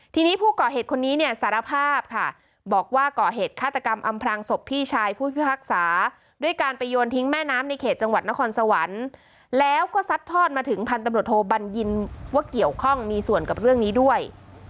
ทีนี้ผู้ก่อเหตุคนนี้เนี่ยสารภาพค่ะบอกว่าก่อเหตุฆาตกรรมอำพลังศพพี่ชายผู้พิพากษาด้วยการไปโยนทิ้งแม่น้ำในเขตจังหวัดนครสวรรค์แล้วก็ซัดทอดมาถึงพันตำรวจโทบัญญินว่าเกี่ยวข้องมีส่วนกับเรื่องนี้ด้วย